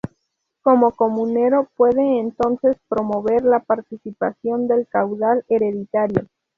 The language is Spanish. Como comunero puede entonces promover la partición del caudal hereditario.